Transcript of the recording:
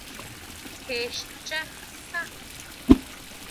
Jé schá sá?